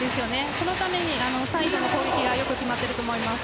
そのためにサイドの攻撃がよく決まっていると思います。